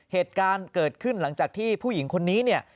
เหตุการณ์เกิดขึ้นหลังจากที่ผู้หญิงคนนี้เนี่ย